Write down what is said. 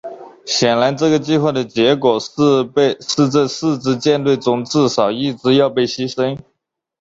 显然这个计划的结果是这四支舰队中至少一支要被牺牲。